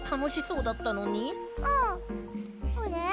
うん。あれ？